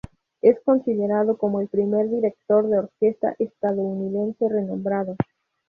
Es considerado como el primer director de orquesta estadounidense renombrado.